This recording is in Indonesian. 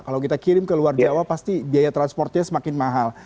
kalau kita kirim ke luar jawa pasti biaya transportnya semakin mahal